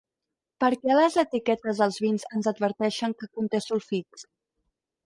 Per què a les etiquetes dels vins ens adverteixen que conté sulfits?